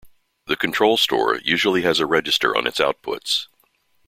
The control store usually has a register on its outputs.